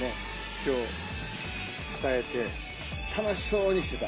きょう、伝えて楽しそうにしてた。